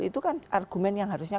itu kan argumen yang harusnya